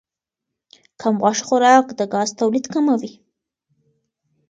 کم غوښه خوراک د ګاز تولید کموي.